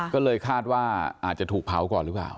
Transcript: ก็เลยคาดว่าอาจจะถูกเผาก่อนหรือเปล่า